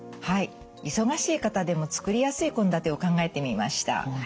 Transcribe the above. はい忙しい方でも作りやすい献立を考えてみました。